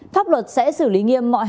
pháp luật sẽ xử lý nghiêm mọi hành vi